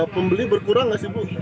pembeli berkurang nggak sih bu